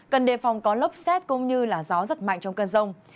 cần đề phòng có lốc xét cũng như là gió rất mạnh trong cơn rông